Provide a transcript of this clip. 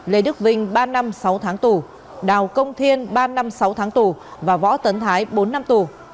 lê đức vinh ba năm sáu tháng tù đào công thiên ba năm sáu tháng tù và võ tấn thái bốn năm tù